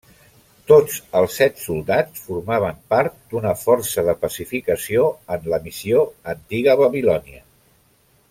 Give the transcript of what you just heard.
Tots els set soldats formaven part d'una força de pacificació en la missió Antiga Babilònia.